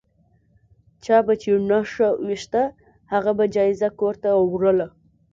چا به چې نښه وویشته هغه به جایزه کور ته وړله.